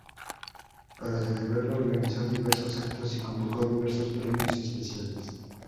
Para celebrarlo organizó diversos actos y convocó diversos premios especiales.